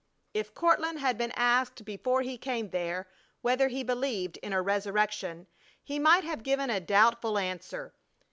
If Courtland had been asked before he came there whether he believed in a resurrection he might have given a doubtful answer.